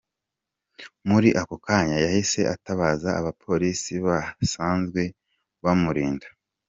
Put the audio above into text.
Muri ako kanya yahise atabaza abapolisi basanzwe bamurinda.